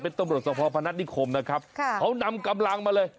ตำรวจสภพพนัฐนิคมนะครับเขานำกำลังมาเลย